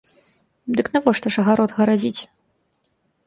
Дык навошта ж агарод гарадзіць?